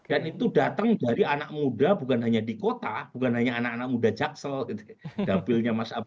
dan itu datang dari anak muda bukan hanya di kota bukan hanya anak anak muda jaksel